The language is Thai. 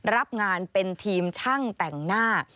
รับงานเป็นทีมช่างแต่งหน้า